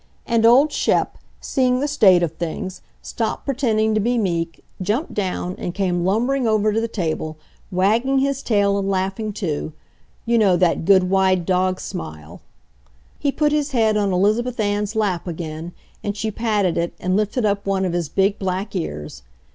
And old Shep, seeing the state of things, stopped pretending to be meek, jumped down, and came lumbering over to the table, wagging his tail and laughing too; you know that good, wide dog smile! He put his head on Elizabeth Ann's lap again and she patted it and lifted up one of his big black ears.